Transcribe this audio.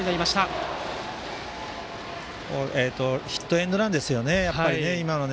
今のはヒットエンドランですよね。